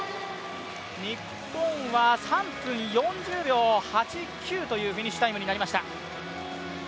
日本は３分４０秒８９というフィニッシュタイムになりました。